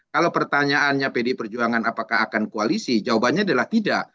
kalau pertanyaannya pdi perjuangan apakah akan koalisi jawabannya adalah tidak